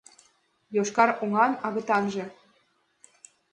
Йошкар оҥан агытанже